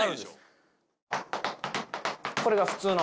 これが普通の